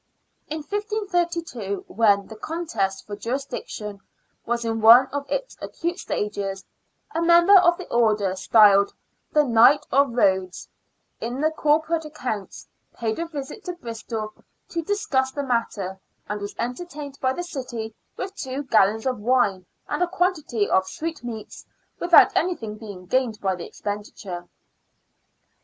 In 1532, when the contest for jurisdiction was in one of its acute stages, a member of the Order, styled " the Knight of Rodys " (Rhodes) in the corporate accounts, paid a visit to Bristol to discuss the matter, and was entertained by the city with two gallons of wine and a quantity of sweetmeats, without anything being gained by the expenditure.